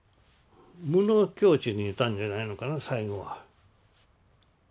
無の境地にいたんじゃないのかな最後は。